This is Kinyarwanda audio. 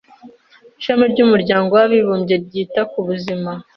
Ishami ry'Umuryango w'Abibumbye ryita ku Buzima